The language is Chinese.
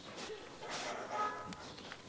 三门豹蛛为狼蛛科豹蛛属的动物。